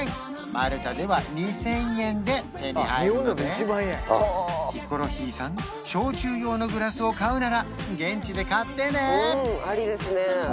マルタでは２０００円で手に入るのでヒコロヒーさん焼酎用のグラスを買うなら現地で買ってね！